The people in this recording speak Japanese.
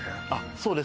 そうです